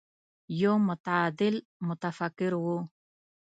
يو متعادل متفکر و.